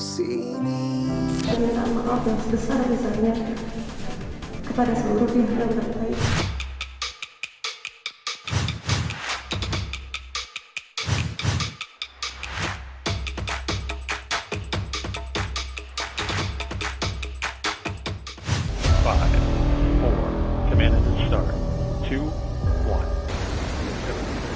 saya minta maaf yang sebesar besarnya kepada seluruh tim yang terhutang di sini